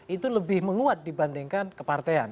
itu lebih menguat dibandingkan kepartean